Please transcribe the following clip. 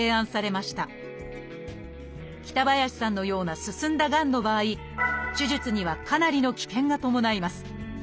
北林さんのような進んだがんの場合手術にはかなりの危険が伴います。